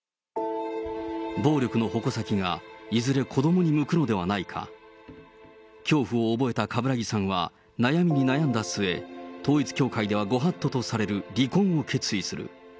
暴力の矛先が、いずれ子どもに向くのではないか、恐怖を覚えた冠木さんは悩みに悩んだ末、統一教会ではご法度とされる離婚を決意する。